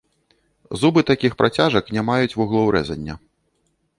Зубы такіх працяжак не маюць вуглоў рэзання.